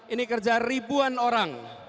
ini kerja ribuan orang